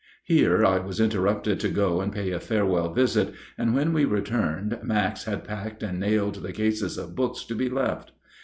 Here I was interrupted to go and pay a farewell visit, and when we returned Max had packed and nailed the cases of books to be left.